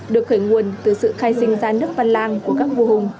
được khởi nguồn từ sự khai sinh ra nước văn lang của các vua hùng